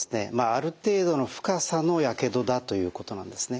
ある程度の深さのやけどだということなんですね。